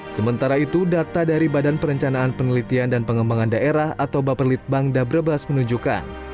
sementara itu data dari badan perencanaan penelitian dan pengembangan daerah atau baperlitbang dabrebas menunjukkan